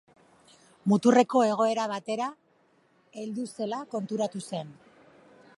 Muturreko egoera batera heldu zela konturatu zen.